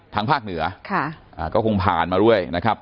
ทางภาคเหนือก็คงผ่านมาด้วยนะครับ